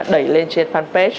đẩy lên trên fanpage